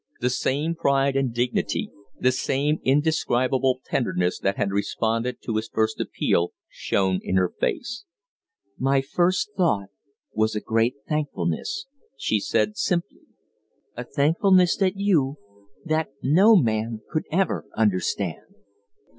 The same pride and dignity, the same indescribable tenderness that had responded to his first appeal shone in her face. "My first thought was a great thankfulness," she said, simply. "A thankfulness that you that no man could ever understand."